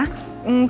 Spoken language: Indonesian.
besok jadi ya